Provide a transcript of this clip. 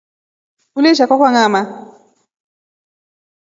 Ulisha kwakwa ngamaa.